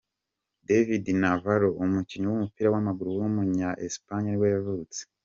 David Navarro, umukinnyi w’umupira w’amaguru w’umunya-Espagne nibwo yavutse.